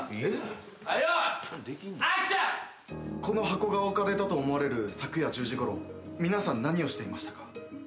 この箱が置かれたと思われる昨夜１０時ごろ皆さん何をしていましたか？